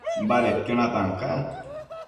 Badedquio natan ca